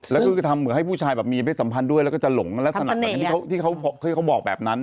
แล้วก็ทำเหมือนให้ผู้ชายแบบมีเพศสัมพันธ์ด้วยแล้วก็จะหลงลักษณะเหมือนที่เขาบอกแบบนั้น